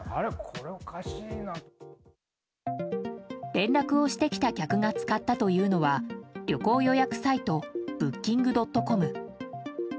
連絡をしてきた客が使ったというのは旅行予約サイトブッキング・ドットコム。